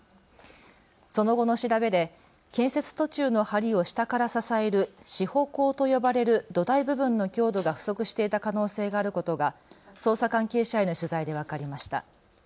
その後の調べで建設途中のはりを下から支える支保工と呼ばれる土台部分の強度が不足していた可能性があることが捜査関係者への取材で分かりました。